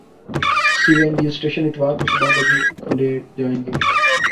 سی N G station اتوار کو صبح بجے کھولے جائیں گے